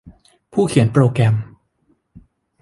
ผู้เขียนโปรแกรม